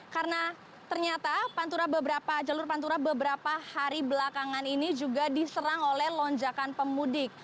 karena ternyata jalur pantura beberapa hari belakangan ini juga diserang oleh lonjakan pemudik